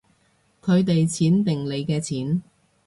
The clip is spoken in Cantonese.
佢哋錢定你嘅錢